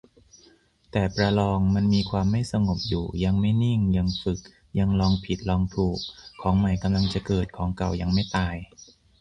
แต่ ประลอง มันมีความไม่สงบอยู่ ยังไม่นิ่ง ยังฝึก ยังลองผิดลองถูก ของใหม่กำลังจะเกิด ของเก่ายังไม่ตาย